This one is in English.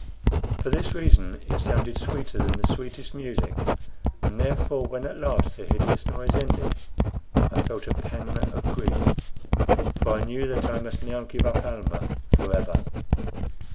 For this reason it sounded sweeter than the sweetest music; and therefore, when at last the hideous noise ended, I felt a pang of grief, for I knew that I must now give up Almah forever.